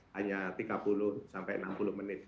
hanya tiga puluh sampai enam puluh menit